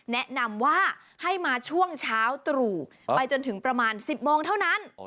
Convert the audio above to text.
แนะนำว่าให้มาช่วงเช้าตรู่ไปจนถึงประมาณ๑๐โมงเท่านั้น